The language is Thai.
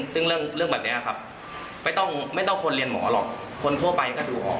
ซึ่งเรื่องแบบนี้ครับไม่ต้องคนเรียนหมอหรอกคนทั่วไปก็ดูออก